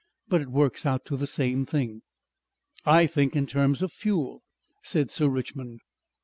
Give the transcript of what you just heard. But it works out to the same thing." "I think in terms of fuel," said Sir Richmond.